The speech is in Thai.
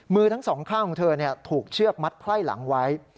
มือทั้งสองข้างของเธอถูกเชือกมัดไพ่หลังไว้